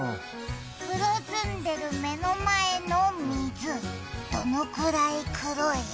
黒ずんでる目の前の水、どのくらい黒い？